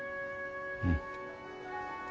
うん。